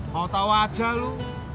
mau tau aja lu